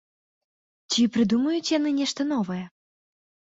Ці прыдумаюць яны нешта новае?